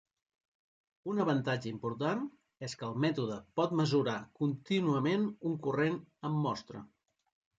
Un avantatge important és que el mètode pot mesurar contínuament un corrent amb mostra.